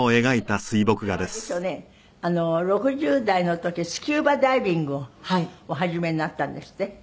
６０代の時スキューバダイビングをお始めになったんですって？